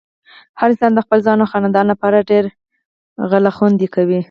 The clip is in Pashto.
هر انسان د خپل ځان او خاندان لپاره ډېره غله خوندې کوي۔